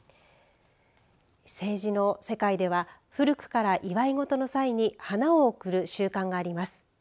政治の世界では古くから祝い事の際に花を贈る習慣があります。